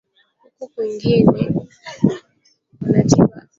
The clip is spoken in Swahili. huku wengine sabini na watatu wakipatiwa tiba